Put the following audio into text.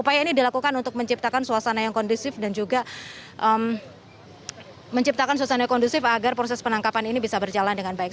upaya ini dilakukan untuk menciptakan suasana yang kondusif dan juga menciptakan suasana yang kondusif agar proses penangkapan ini bisa berjalan dengan baik